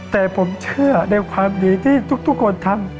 แต่ผมเชื่อในความดีที่ทุกคนทำ